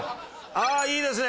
ああいいですね。